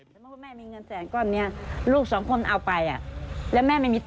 ใช้ไม่หมดตอนตายก็เอาไป